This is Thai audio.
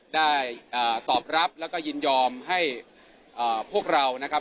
ได้ตอบรับแล้วก็ยินยอมให้พวกเรานะครับ